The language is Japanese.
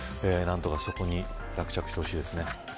何とかそこに着地してほしいですね。